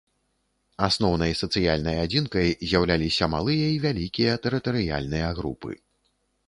Асноўнай сацыяльнай адзінкай з'яўляліся малыя і вялікія тэрытарыяльныя групы.